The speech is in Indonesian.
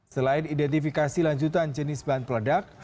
selain identifikasi lanjutan jenis bahan peledak